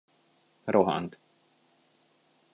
Rohant.